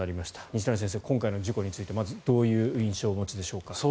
西成先生、今回の事故についてどういう印象をお持ちでしょうか？